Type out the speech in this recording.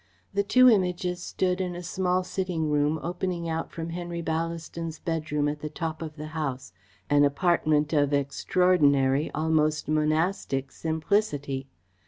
The two Images stood in a small sitting room opening out from Henry Ballaston's bedroom at the top of the house; an apartment of extraordinary, almost monastic simplicity.